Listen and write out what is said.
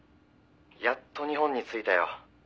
やっと日本に着いたよ」